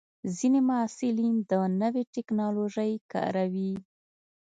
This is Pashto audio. ځینې محصلین د نوې ټکنالوژۍ کاروي.